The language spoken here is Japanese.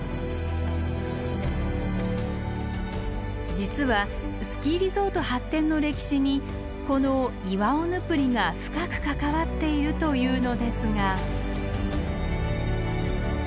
実はスキーリゾート発展の歴史にこのイワオヌプリが深く関わっているというのですが。